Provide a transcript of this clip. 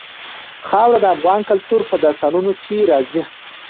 خاوره د افغان کلتور په داستانونو کې راځي.